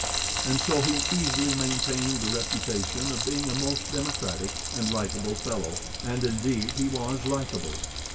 And so he easily maintained the reputation of being a most democratic and likeable fellow, and indeed he was likable.